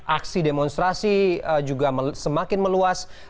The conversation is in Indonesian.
aksi demonstrasi juga semakin meluas